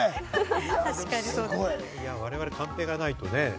我々、カンペがないとね。